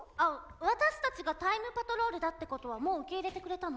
私たちがタイムパトロールだってことはもう受け入れてくれたの？